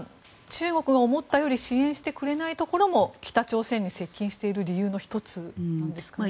中国が思ったより支援してくれないところも北朝鮮に接近している理由の１つなんですかね？